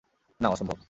না, অসম্ভব।